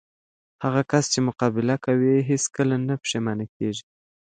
هغه کس چې مقابله کوي، هیڅ کله نه پښېمانه کېږي.